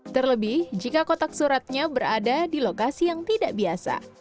terlebih jika kotak suratnya berada di lokasi yang tidak biasa